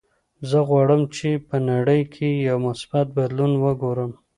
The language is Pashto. زه غواړم چې په نړۍ کې یو مثبت بدلون وګورم.